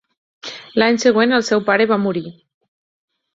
L'any següent, el seu pare va morir.